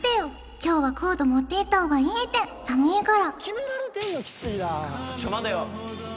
今日はコート持ってった方がいいってさみぃから・